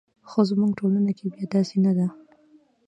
خو زموږ ټولنه کې بیا داسې نه ده.